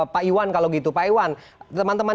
pak iwan kalau gitu pak iwan teman teman